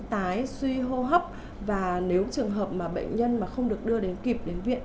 tái suy hô hấp và nếu trường hợp mà bệnh nhân mà không được đưa đến kịp đến viện